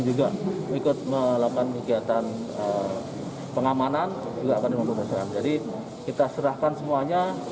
juga ikut melakukan kegiatan pengamanan juga akan dilakukan jadi kita serahkan semuanya